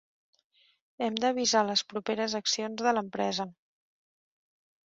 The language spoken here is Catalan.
Hem de visar les properes accions de l'empresa.